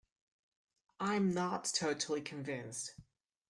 I'm not totally convinced!